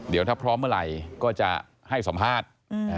เดี๋ยวถ้าพร้อมเมื่อไหร่ก็จะให้สัมภาษณ์